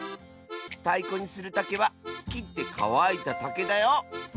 たいこにするたけはきってかわいたたけだよ！